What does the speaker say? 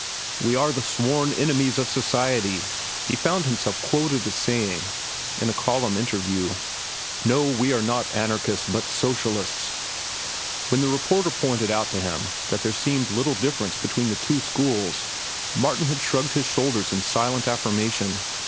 "We are the sworn enemies of society," he found himself quoted as saying in a column interview. "No, we are not anarchists but socialists." When the reporter pointed out to him that there seemed little difference between the two schools, Martin had shrugged his shoulders in silent affirmation.